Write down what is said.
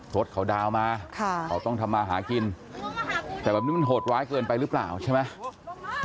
รถเขาดาวนมาเขาต้องทำมาหากินแต่แบบนี้มันโหดร้ายเกินไปหรือเปล่าใช่ไหม